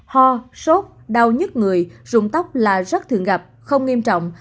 ho sốt đau nhất người rụng tóc là rất thường gặp không nghiêm trọng